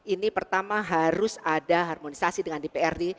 ini pertama harus ada harmonisasi dengan dprd